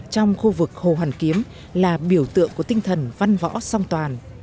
trong khu vực hồ hoàn kiếm là biểu tượng của tinh thần văn võ song toàn